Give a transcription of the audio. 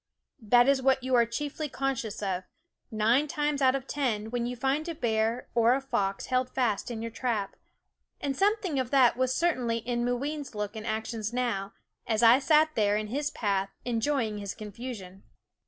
That is what you are chiefly conscious of, nine times out of ten, when you find a bear THE WOODS or a fox held fast in your trap; and some thing of that was certainly in Mooween's look and actions now, as I sat there in his path enjoying his confusion.